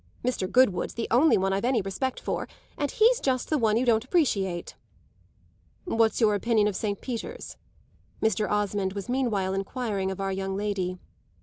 Mr. Goodwood's the only one I've any respect for, and he's just the one you don't appreciate." "What's your opinion of Saint Peter's?" Mr. Osmond was meanwhile enquiring of our young lady.